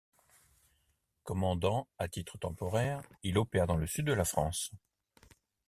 Commandant à titre temporaire, il opère dans le sud de la France.